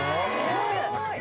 すごい。